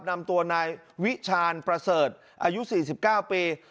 นำตัวนายวิชาณประเสริฐอายุสี่สิบเก้าปี